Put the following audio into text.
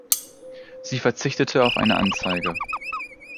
Sie verzichtete auf eine Anzeige.